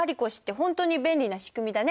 本当に便利な仕組みだね。